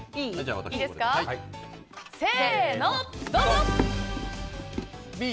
せーの、どうぞ！